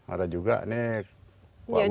ada juga pak bupati